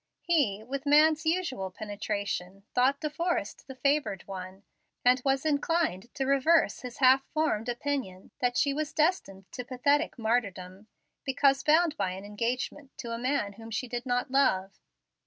He, with man's usual penetration, thought De Forrest the favored one, and was inclined to reverse his half formed opinion that she was destined to pathetic martyrdom, because bound by an engagement to a man whom she could not love.